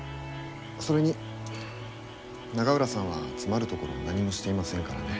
それに永浦さんは詰まるところ何もしていませんからね。